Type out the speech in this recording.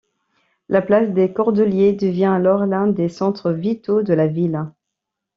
La place des Cordeliers devient alors l'un des centres vitaux de la ville.